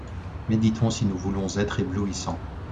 Méditons si nous voulons être éblouissants.